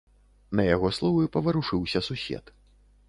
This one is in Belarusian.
На яго словы паварушыўся сусед.